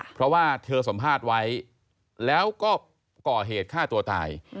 เพราะว่าเธอสัมภาษณ์ไว้แล้วก็ก่อเหตุฆ่าตัวตาย